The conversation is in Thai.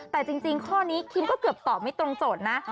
แต่จริงข้อนี้คิมก็เกือบตอบไม่ตรงโจทย์นะ